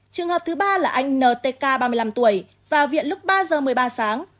trường hợp thứ ba là anh ntk ba mươi năm tuổi vào viện lúc ba giờ một mươi ba sáng